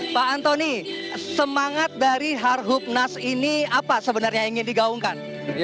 pak antoni semangat dari harhubnas ini apa sebenarnya ingin digaungkan